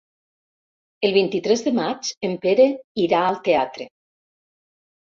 El vint-i-tres de maig en Pere irà al teatre.